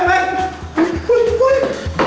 เจอปะเนี่ย